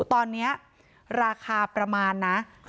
ตอนนี้ราคาประมาณนะ